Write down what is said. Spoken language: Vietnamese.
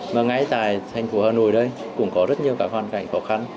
mà ngay tại thành phố hà nội đây cũng có rất nhiều các hoàn cảnh khó khăn